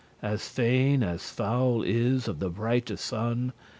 As fain* as fowl is of the brighte sun.